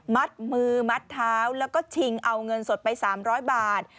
มัดมือมัดเท้าแล้วก็ชิงเอาเงินสดไป๓๐๐บาท